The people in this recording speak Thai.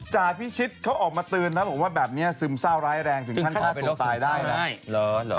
จาพิชิตเขาออกมาตื้นแล้วบอกว่าแบบนี้ซึมเศร้าร้ายแรงถึงข้างหน้าตกตายได้ซึมข้างหน้าไปลดซึมเศร้าร้าย